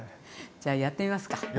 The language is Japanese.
じゃあやってみますか！